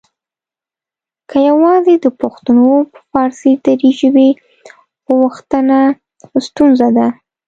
که یواځې د پښتنو په فارسي دري ژبې اوښتنه ستونزه ده؟